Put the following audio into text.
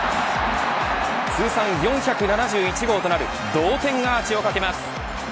通算４７１号となる同点アーチをかけます。